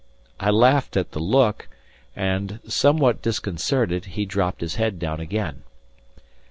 I laughed at the look, and, somewhat disconcerted, he dropped his head down again.